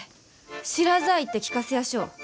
知らざあ言って聞かせやしょう。